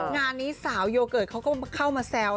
งานนี้สาวโยเกิร์ตเขาก็เข้ามาแซว